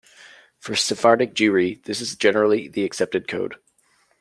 For Sephardic Jewry, this is generally the accepted code.